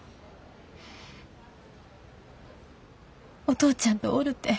お父ちゃんとおるて。